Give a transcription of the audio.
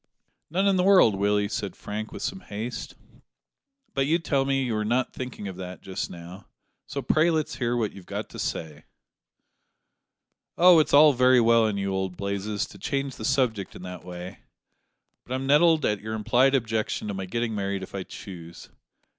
"None in the world, Willie," said Frank, with some haste, "but you tell me you are not thinking of that just now; so pray let's hear what you've got to say." "Oh! it's all very well in you, old Blazes, to change the subject in that way, but I'm nettled at your implied objection to my getting married if I choose.